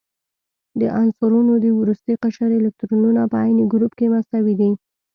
د عنصرونو د وروستي قشر الکترونونه په عین ګروپ کې مساوي دي.